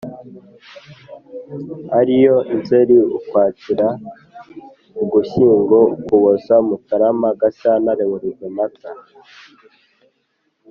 ari yo : nzeri, ukwakira, ugushyingo, ukuboza, mutarama, gashyantare, werurwe, mata,